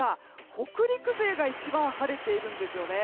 北陸勢が一番晴れているんですよね。